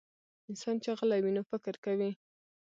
انسان چې غلی وي، نو فکر کوي.